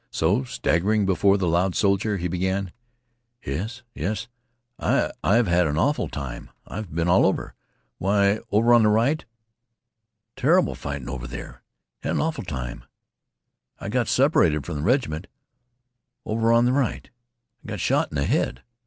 So, staggering before the loud soldier, he began: "Yes, yes. I've I've had an awful time. I've been all over. Way over on th' right. Ter'ble fightin' over there. I had an awful time. I got separated from th' reg'ment. Over on th' right, I got shot. In th' head.